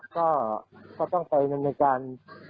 ก็ต้องไปกัน